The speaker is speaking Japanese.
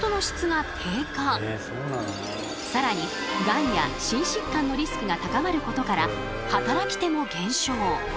さらにガンや心疾患のリスクが高まることから働き手も減少。